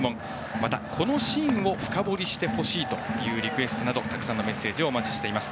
また、このシーンを深掘りしてほしいというリクエストなどたくさんのメッセージをお待ちしています。